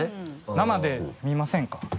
生で見ませんか？